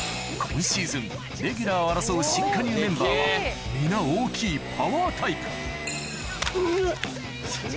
今シーズンレギュラーを争う新加入メンバーは皆大きいパワータイプうぅ！